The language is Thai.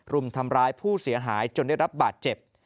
รุมทำร้ายผู้เสียหายจนได้รับบาดเจ็บ